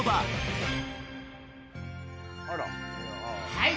はい！